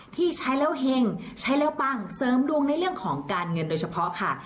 ที่ใช้แล้วเห็งใช้แล้วปังเสริมดวงในเรื่องของการเงินโดยเฉพาะค่ะ